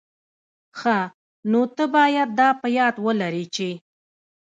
ښه، نو ته بايد دا په یاد ولري چي...